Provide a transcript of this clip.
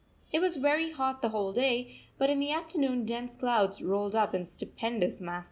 It was very hot the whole day, but in the afternoon dense clouds rolled up in stupendous masses.